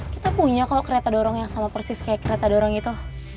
kita punya kalau kereta dorong yang sama persis kayak kereta dorong itu